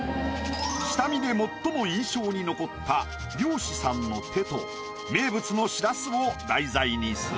下見で最も印象に残った漁師さんの手と名物のしらすを題材にする。